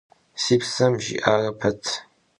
Си псэм жиӀарэ пэт…